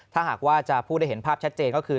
ถ้าหากว่าจะพูดได้เห็นภาพชัดเจนก็คือ